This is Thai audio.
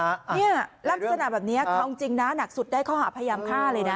เนี่ยลักษณะแบบนี้เอาจริงนะหนักสุดได้ข้อหาพยายามฆ่าเลยนะ